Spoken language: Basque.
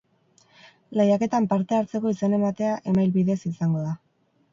Lehiaketan parte hartzeko izen ematea email bidez izango da.